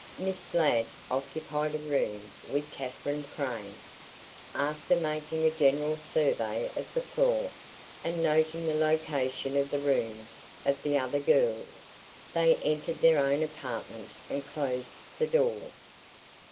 Miss Ladd occupied a room with Katherine Crane. After making a general survey of the floor and noting the location of the rooms of the other girls, they entered their own apartment and closed the door.